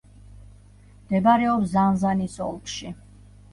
მდებარეობს ზანზანის ოლქში.